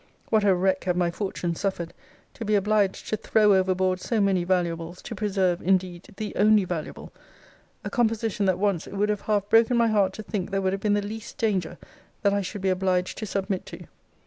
What a wreck have my fortunes suffered, to be obliged to throw overboard so many valuables, to preserve, indeed, the only valuable! A composition that once it would have half broken my heart to think there would have been the least danger that I should be obliged to submit to.